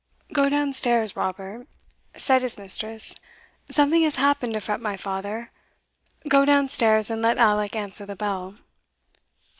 "Go down stair, Robert," said his mistress "something has happened to fret my father go down stairs, and let Alick answer the bell."